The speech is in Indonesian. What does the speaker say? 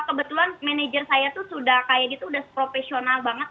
kebetulan manajer saya tuh sudah kayak gitu udah profesional banget